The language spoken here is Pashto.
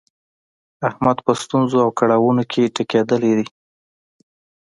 احمد په ستونزو او کړاونو کې ټکېدلی دی.